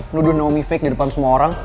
nuduh nomi fake di depan semua orang